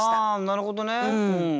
なるほどね。